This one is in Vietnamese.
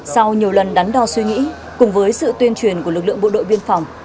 sau nhiều lần đắn đo suy nghĩ cùng với sự tuyên truyền của lực lượng bộ đội biên phòng